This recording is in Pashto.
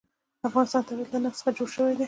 د افغانستان طبیعت له نفت څخه جوړ شوی دی.